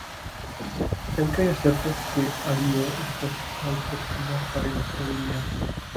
Kelkaj asertas, ke Ario estas malproksima parenco lia.